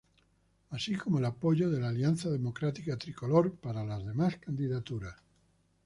Así como el apoyo de la Alianza Democrática Tricolor para las demás candidaturas.